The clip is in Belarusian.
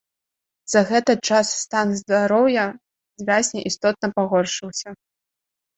За гэта час стан здароўя вязня істотна пагоршыўся.